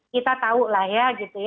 kita tahu lah ya